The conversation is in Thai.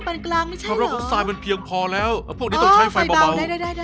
พวกนี้ต้องใช้ไฟเบา